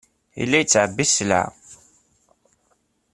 Yella yettɛebbi sselɛa.